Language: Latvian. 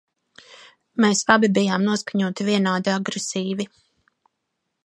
Mēs abi bijām noskaņoti vienādi agresīvi.